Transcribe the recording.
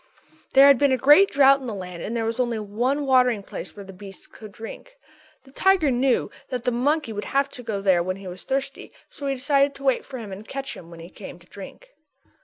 _" There had been a great drought in the land and there was only one watering place where the beasts could drink. The tiger knew that the monkey would have to go there when he was thirsty so he decided to wait for him and catch him when he came to drink.